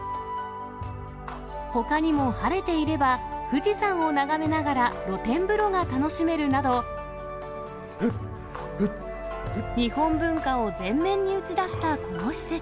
ほかにも晴れていれば、富士山を眺めながら露天風呂が楽しめるなど、日本文化を全面に打ち出したこの施設。